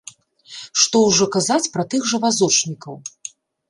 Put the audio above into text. Што ўжо казаць пра тых жа вазочнікаў?